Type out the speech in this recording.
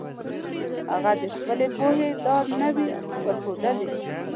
هغه د خپلې پوهې لار نه وي ورښودلي.